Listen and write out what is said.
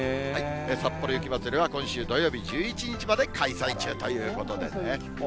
さっぽろ雪まつりは今週土曜日１１日まで開催中ということでね。